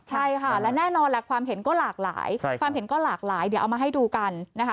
ใช่ค่ะแล้วแน่นอนแหละความเห็นก็หลากหลายเดี๋ยวเอามาให้ดูกันนะคะ